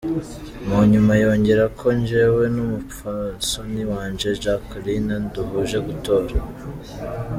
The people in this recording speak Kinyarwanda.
Mu nyuma yongerako ko:”Jewe n’umupfasoni wanje Jacqueline duhejeje gutora.